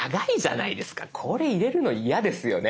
これ入れるの嫌ですよね。